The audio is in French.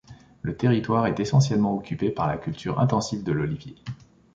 Le territoire est essentiellement occupée par la culture intensive de l'olivier.